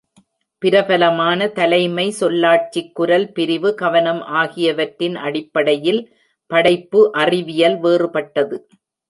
பிரபலமான தலைமை, சொல்லாட்சிக் குரல், பிரிவு கவனம் ஆகியவற்றின் அடிப்படையில் படைப்பு அறிவியல் வேறுபட்டது.